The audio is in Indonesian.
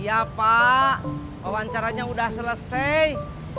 iya pak wawancaranya udah selesai